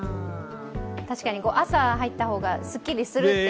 確かに朝入った方がすっきりするという方もね。